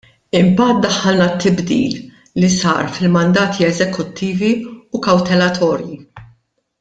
Imbagħad daħħalna t-tibdil li sar fil-mandati eżekuttivi u kawtelatorji.